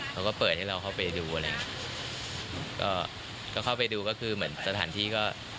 เขาก็เปิดให้เราเข้าไปดูอะไรก็เข้าไปดูก็คือเหมือนสถานที่ก็